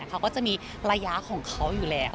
เขาก็จะมีระยะของเขาอยู่แล้ว